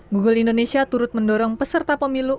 google indonesia turut mendorong peserta pemilu